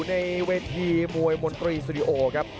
ในเวทีมวยมนตรีสตูดิโอครับ